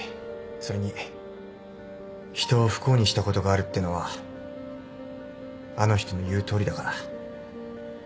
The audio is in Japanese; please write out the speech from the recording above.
それに人を不幸にしたことがあるってのはあの人の言うとおりだから。